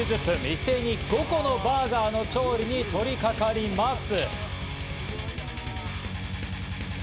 一斉に５個のバーガーの調理に取り掛かります。